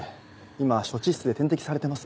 今処置室で点滴されてます。